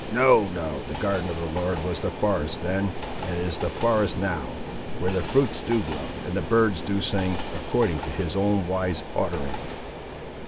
No, no, the garden of the Lord was the forest then, and is the forest now, where the fruits do grow, and the birds do sing, according to his own wise ordering.